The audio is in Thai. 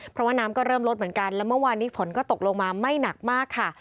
เพราะว่าน้ำก็เริ่มลดเหมือนกันแล้วเมื่อวานนี้ฝนก็ตกลงมาไม่หนักมากค่ะ